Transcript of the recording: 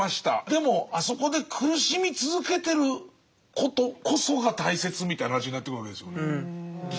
でもあそこで苦しみ続けてることこそが大切みたいな話になってくわけですよね。